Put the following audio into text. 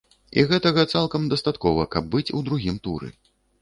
І гэтага цалкам дастаткова, каб быць у другім туры.